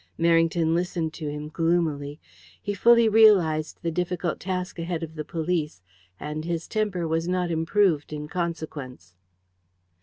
Merrington listened to him gloomily. He fully realized the difficult task ahead of the police, and his temper was not improved in consequence.